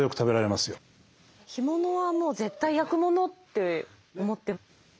干物はもう絶対焼くものって思って。